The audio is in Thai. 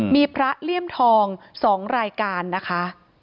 มีพระเลี่ยมทอง๒รายการนะคะ